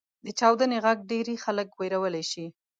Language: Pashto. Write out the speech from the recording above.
• د چاودنې ږغ ډېری خلک وېرولی شي.